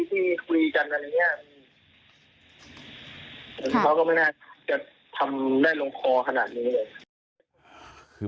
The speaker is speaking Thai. เราก็ไม่น่าทำได้ลงคอขนานี้เลย